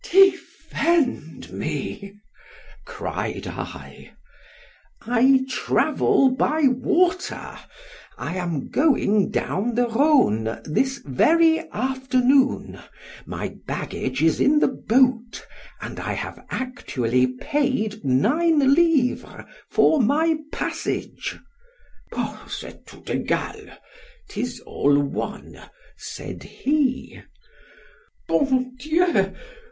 Defend me! cried I—— I travel by water—I am going down the Rhône this very afternoon—my baggage is in the boat—and I have actually paid nine livres for my passage—— C'est tout egal—'tis all one; said he. _Bon Dieu!